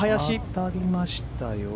当たりましたよ。